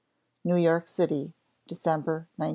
NEW YORK CITY, December, 1909.